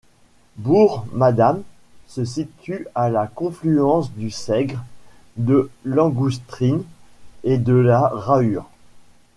Bourg-Madame se situe à la confluence du Sègre, de l'Angoustrine et de la Rahur.